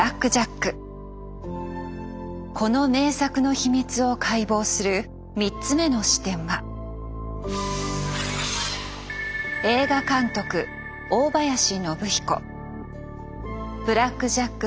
この名作の秘密を解剖する３つ目の視点は「ブラック・ジャック」